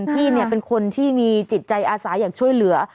พี่เป็นคนที่มีจิตใจอาสาอยากช่วยเหลือ